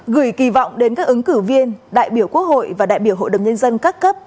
gửi kỳ vọng đến các ứng cử viên đại biểu quốc hội và đại biểu hội đồng nhân dân các cấp